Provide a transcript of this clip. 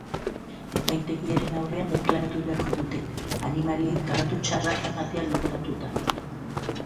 Epaitegiaren aurrean deklaratu beharko dute, animaliei tratu txarrak emtea leporatuta.